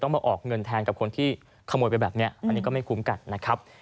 มาออกเงินแทนกับคนที่ขโมยไปแบบนี้อันนี้ก็ไม่คุ้มกันนะครับ